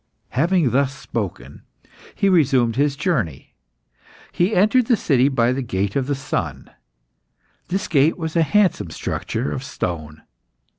Having thus spoken, he resumed his journey. He entered the city by the Gate of the Sun. This gate was a handsome structure of stone.